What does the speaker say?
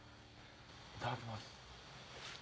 いただきます。